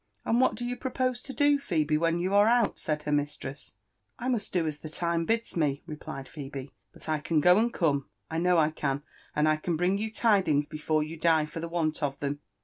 "And what do you propose to do, Phebe, when you are out?" said her mistress. *' I must do as the time bids me," replied Phebe ;'* but I can go and come — I know I can — and I can bring you tidings before you die for the want of them."